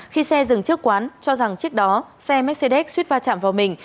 khi xe dừng trước quán cho rằng chiếc đó xe mexedex suýt va chạm vào mình